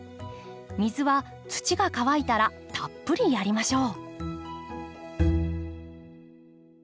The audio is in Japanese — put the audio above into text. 水は土が乾いたらたっぷりやりましょう。